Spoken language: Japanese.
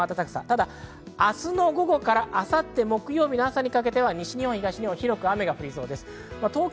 ただ明日の午後から明後日、木曜日の朝にかけては西日本、東日本、広く雨が降りそうです。